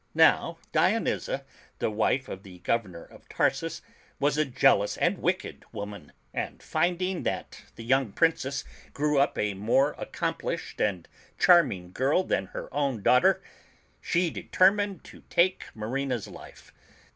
Now Dionyza, the wife of the Governor of Tarsus, was a jeal ous and wicked woman, and finding that the young Princess grew up a more accomplished and charming girl than her own daughter, she determined to take Maf;\nf !s life.